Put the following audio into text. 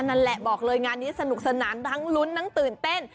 นั่นแหละบอกเลยงานนี้สนุกสนานทั้งลุ้นทั้งตื่นเต้น